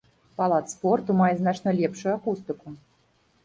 Палац спорту мае значна лепшую акустыку.